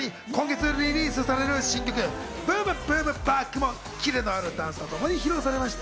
さらに今月リリースされる新曲『ＢｏｏｍＢｏｏｍＢａｃｋ』も、キレのあるダンスとともに披露されました。